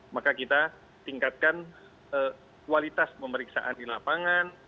maka kita tingkatkan kualitas pemeriksaan di lapangan